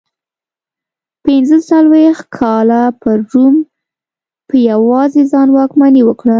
پنځه څلوېښت کاله پر روم په یوازې ځان واکمني وکړه.